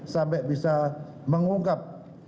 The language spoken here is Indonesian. sampai bisa mengungkap